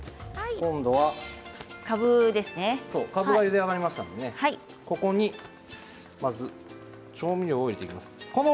今度はかぶがゆで上がりましたのでここにまず調味料を入れていきます。